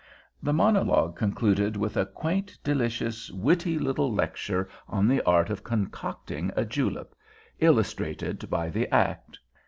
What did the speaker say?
The monologue concluded with a quaint, delicious, witty little lecture on the art of concocting a julep, illustrated by the act.